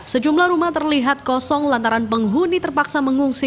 sejumlah rumah terlihat kosong lantaran penghuni terpaksa mengungsi